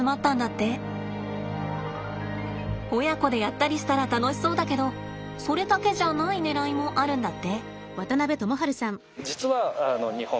親子でやったりしたら楽しそうだけどそれだけじゃないねらいもあるんだって。